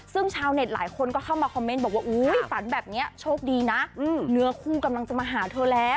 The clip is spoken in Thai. ซึ่งชาวเน็ตหลายคนก็เข้ามาคอมเมนต์บอกว่าอุ๊ยฝันแบบนี้โชคดีนะเนื้อคู่กำลังจะมาหาเธอแล้ว